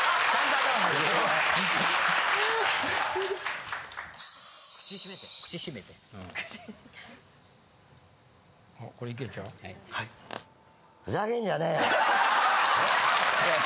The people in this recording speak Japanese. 高い声ふざけんじゃねえよ！